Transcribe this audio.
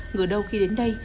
ngứa đâu khi đến đây